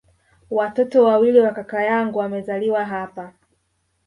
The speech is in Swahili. Watoto wawili wa kaka yangu wamezaliwa hapa